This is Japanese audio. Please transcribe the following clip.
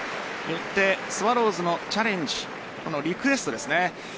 よってスワローズのチャレンジリクエストですね。